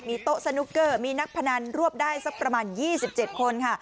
มีโต๊ะสนุกเกอร์มีนักพนันรวบได้สักประมาณยี่สิบเจ็ดคน